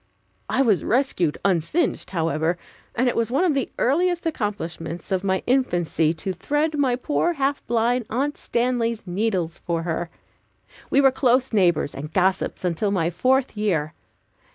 I was rescued unsinged, however, and it was one of the earliest accomplishments of my infancy to thread my poor, half blind Aunt Stanley's needles for her. We were close neighbors and gossips until my fourth year.